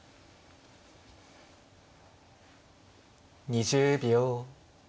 ２０秒。